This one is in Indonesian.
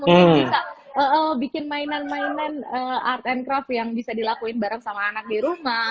mungkin bisa bikin mainan mainan art and craft yang bisa dilakuin bareng sama anak di rumah